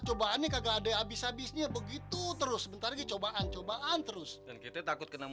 cobaannya kagak ada habis habisnya begitu terus sebentar lagi cobaan cobaan terus dan kita takut kena